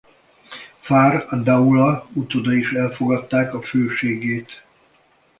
Fahr ad-Daula utódai is elfogadták a főségét.